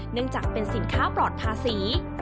เนื่องจากเป็นสินค้าปลอดภาษี